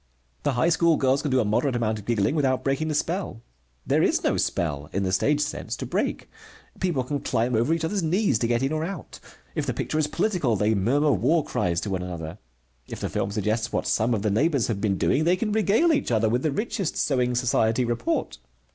The high school girls can do a moderate amount of giggling without breaking the spell. There is no spell, in the stage sense, to break. People can climb over each other's knees to get in or out. If the picture is political, they murmur war cries to one another. If the film suggests what some of the neighbors have been doing, they can regale each other with the richest sewing society report.